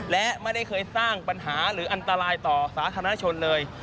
และไม่ได้เคยสร้างปัญหาหรืออันตรายต่อสาธารณชนเลย